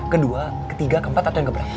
kedua ketiga keempat atau yang kedua